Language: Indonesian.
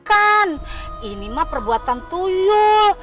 kan ini mah perbuatan tuyu